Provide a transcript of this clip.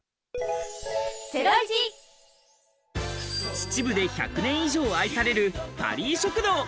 秩父で１００年以上愛されるパリー食堂。